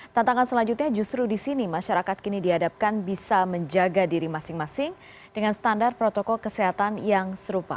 tantangan selanjutnya justru di sini masyarakat kini dihadapkan bisa menjaga diri masing masing dengan standar protokol kesehatan yang serupa